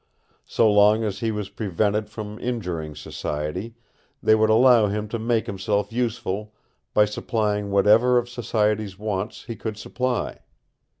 So long as he was prevented from injuring society, they would allow him to make himself useful by supplying whatever of society's wants he could supply.